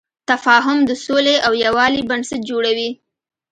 تفاهم د سولې او یووالي بنسټ جوړوي.